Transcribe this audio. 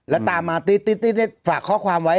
แล้วตามมาติ๊ดฝากข้อความไว้